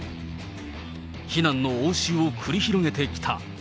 非難の応酬を繰り広げてきた。